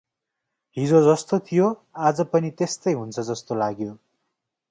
हिजो जस्तो थियो, अाज पनि तेस्तै हुन्छ जस्तो लाग्यो ।